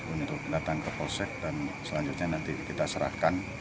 untuk datang ke polsek dan selanjutnya nanti kita serahkan